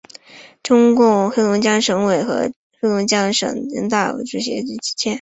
中共黑龙江省委和黑龙江省人大常委会设于此街。